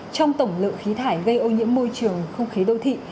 trong tổng lượng khí thải gây ô nhiễm môi trường không khí đô thị